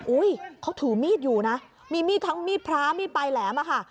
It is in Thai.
อุ้ยเขาถือมีดอยู่นะมีมีดทั้งมีดพระมีดปลายแหลมอะค่ะ